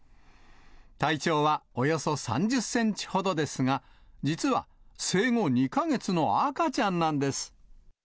体長はおよそ３０センチほどですが、実は生後２カ月の赤ちゃんなんです。